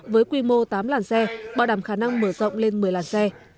với quy mô tám làn xe bảo đảm khả năng mở rộng lên một mươi làn xe